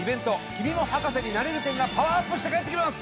「君も博士になれる展」がパワーアップして帰ってきます！